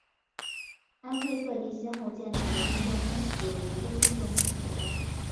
安徽各地先后建立的军政分府有庐州军政分府等。